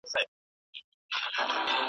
څه به وساتي ځالۍ د توتکیو .